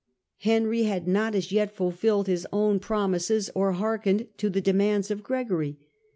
Henry had not as yet fulfilled his own promises, or hearkened to the demands of Gregory.